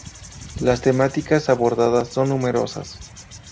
Las temáticas abordadas son numerosas.